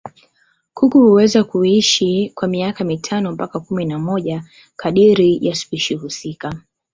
Kuku huweza kuishi kwa miaka mitano mpaka kumi na moja kadiri ya spishi husika.